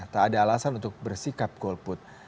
tak ada alasan untuk bersikap golput